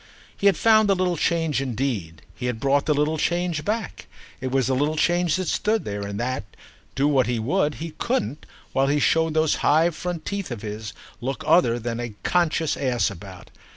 He had found the little change indeed, he had brought the little change back; it was the little change that stood there and that, do what he would, he couldn't, while he showed those high front teeth of his, look other than a conscious ass about.